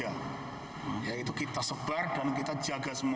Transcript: yaitu kita sebar dan kita jaga semua